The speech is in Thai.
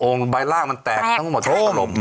โอ่งใบล่างมันแตกมันมัวถัดลด